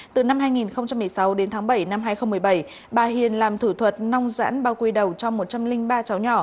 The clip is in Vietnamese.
từ năm hai nghìn một mươi sáu đến tháng bảy năm hai nghìn một mươi bảy bà hiền làm thủ thuật nong giãn bao quy đầu cho một trăm linh ba cháu nhỏ